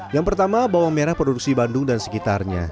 yang pertama bawang merah produksi bandung dan sekitarnya